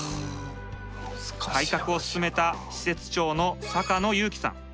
改革を進めた施設長の坂野悠己さん。